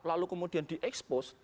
lalu kemudian di expose